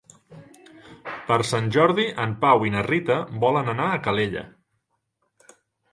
Per Sant Jordi en Pau i na Rita volen anar a Calella.